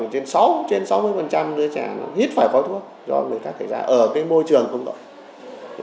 trên sáu mươi đứa trẻ hít phải khói thuốc do người khác thể ra ở môi trường công cộng